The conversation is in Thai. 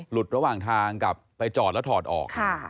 หลุดระหว่างทางกับไปจอดและถอดออก